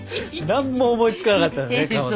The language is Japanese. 何も思いつかなかったんだねかまど。